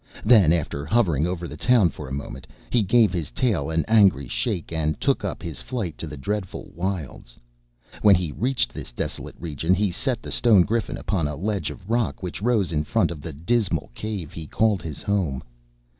Then, after hovering over the town for a moment, he gave his tail an angry shake and took up his flight to the dreadful wilds. When he reached this desolate region, he set the stone Griffin upon a ledge of a rock which rose in front of the dismal cave he called his home.